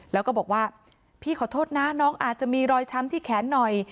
แล้วก็บอกว่าพี่ขอโทษนะน้องอาจจะมีรอยช้ำที่แขนหน่อย